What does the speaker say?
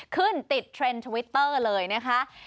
ขึ้นติดเทรนด์ทวิตเตอร์เลยนะคะ